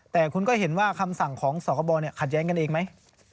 แต่คุณก็เห็นว่าคำสั่งของสคบขัดแย้งกันเองไหม